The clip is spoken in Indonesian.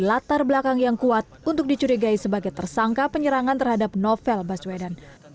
latar belakang yang kuat untuk dicurigai sebagai tersangka penyerangan terhadap novel baswedan